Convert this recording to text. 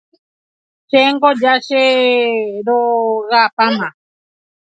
Chéngo ja cherogapáma